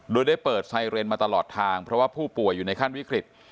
โดยได้เปิดไซเรนมาตลอดทางเพราะว่าผู้ป่วยอยู่ในขั้นวิกฤต